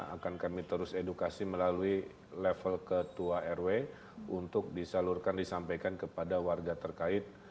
akan kami terus edukasi melalui level ketua rw untuk disalurkan disampaikan kepada warga terkait